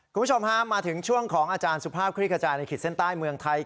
คุณผู้ชมฮะมาถึงช่วงของอาจารย์สุภาพคลิกกระจายในขีดเส้นใต้เมืองไทย